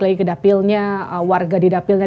lagi ke dapilnya warga di dapilnya